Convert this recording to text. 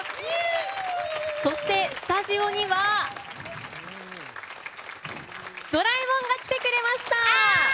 そしてスタジオにはドラえもんが来てくれました！